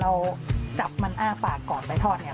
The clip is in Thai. เราจับมันอ้าปากก่อนไปทอดเนี่ย